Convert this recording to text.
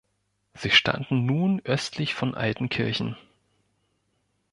Sie standen nun östlich von Altenkirchen.